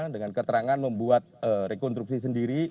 dengan keterangan membuat rekonstruksi sendiri